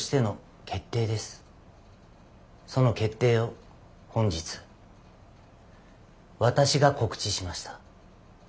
その決定を本日私が告知しました。